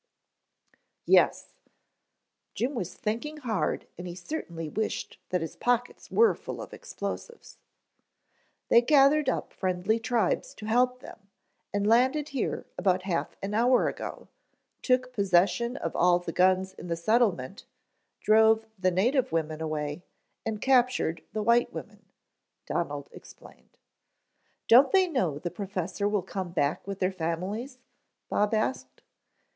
"Yes." Jim was thinking hard and he certainly wished that his pockets were full of explosives. "They gathered up friendly tribes to help them, and landed here about half an hour ago, took possession of all the guns in the settlement, drove the native women away, and captured the white women," Donald explained. "Don't they know the professor will come back with their families?" Bob asked.